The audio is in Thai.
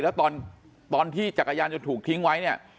แล้วตอนที่จักรยานยนต์ถูกทิ้งไว้เนี่ย